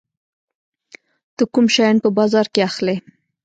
ته کوم شیان په بازار کې اخلي؟